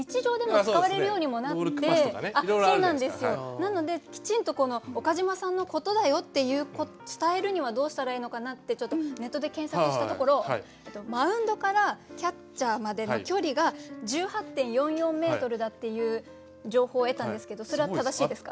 なのできちんと岡島さんのことだよって伝えるにはどうしたらいいのかなってちょっとネットで検索したところマウンドからキャッチャーまでの距離が１８．４４ｍだっていう情報を得たんですけどそれは正しいですか？